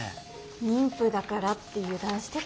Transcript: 妊婦だからって油断してたんでしょ？